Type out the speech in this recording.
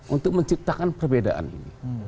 untuk menciptakan perbedaan ini